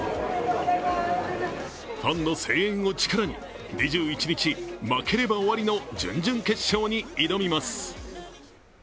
ファンの声援を力に、２１日、負ければ終わりの準々決勝に挑みます。